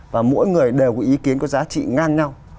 và mỗi người đều có ý kiến có giá trị ngang nhau